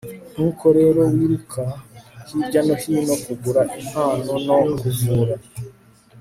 nkuko rero wiruka hirya no hino, kugura impano no kuvura